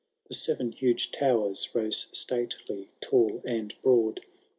The seven huge towers rose stately, tall, and broad.